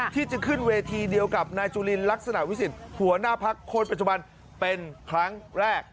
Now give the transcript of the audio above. ที่จะขึ้นเวทีเดียวกับนายจุลินลักษณะวิสิทธิ์หัวหน้าพักคนปัจจุบันเป็นครั้งแรก